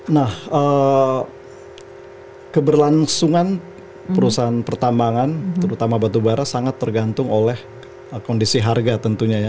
nah keberlangsungan perusahaan pertambangan terutama batu bara sangat tergantung oleh kondisi harga tentunya ya